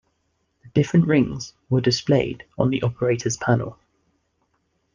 The different rings were displayed on the operator's panel.